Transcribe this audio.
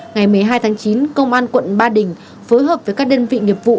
ngày một mươi hai tháng chín công an quận ba đình phối hợp với các đơn vị nghiệp vụ